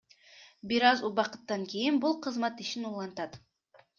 Бир аз убакыттан кийин бул кызмат ишин улантат.